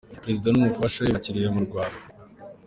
Perezida n’Umufasha we bakiriwe mu Rwanda